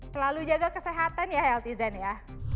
selalu jaga kesehatan ya healthy zen ya